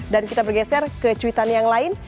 dan kita bergeser ke cuitan yang lain